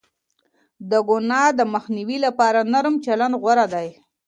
د گناه د مخنيوي لپاره نرم چلند غوره دی.